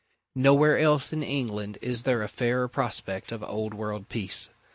Nowhere else in England is there a fairer prospect of old world peace.